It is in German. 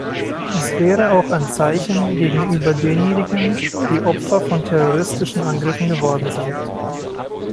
Es wäre auch ein Zeichen gegenüber denjenigen, die Opfer von terroristischen Angriffen geworden sind.